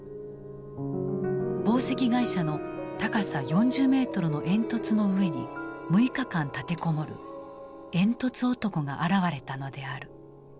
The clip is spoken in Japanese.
紡績会社の高さ４０メートルの煙突の上に６日間立て籠もる「煙突男」が現れたのである。